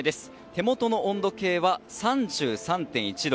手元の温度計は、３３．１度。